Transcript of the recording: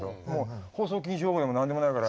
放送禁止用語でも何でもないから。